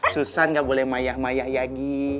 susan gak boleh mayah mayah lagi